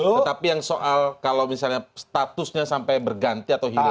tetapi yang soal kalau misalnya statusnya sampai berganti atau hilang